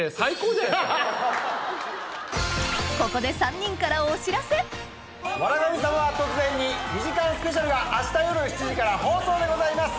ここで３人から『笑神様は突然に』２時間スペシャルが明日夜７時から放送でございます。